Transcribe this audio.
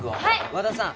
和田さん